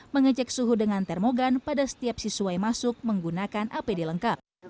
mengecek suhu dengan termogan pada setiap siswa yang masuk menggunakan apd lengkap